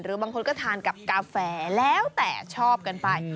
บางคนก็ทานกับกาแฟแล้วแต่ชอบกันไป